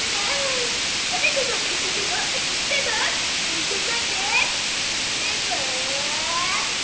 雨でも風でも暑くても映画館で見れば？